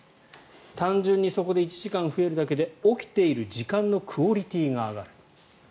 単純にそこで１時間増えるだけで起きている時間のクオリティーが上がる。